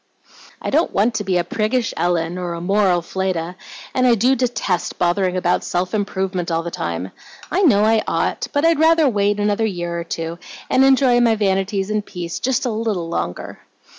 "I don't want to be a priggish Ellen, or a moral Fleda, and I do detest bothering about self improvement all the time. I know I ought, but I'd rather wait another year or two, and enjoy my vanities in peace just a LITTLE longer."